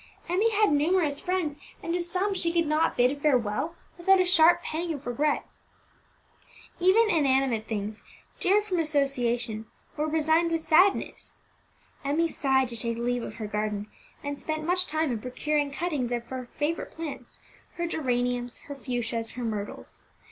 Emmie had numerous friends, and to some she could not bid farewell without a sharp pang of regret. Even inanimate things, dear from association, were resigned with sadness. Emmie sighed to take leave of her garden, and spent much time in procuring cuttings from her favourite plants, her geraniums, her fuchsias, her myrtles.